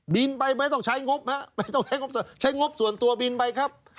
บินไปไม่ต้องใช้งบฮะไม่ต้องใช้งบใช้งบส่วนตัวบินไปครับ